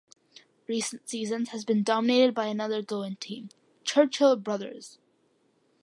Recent seasons has been dominated by yet another Goan team: Churchill Brothers.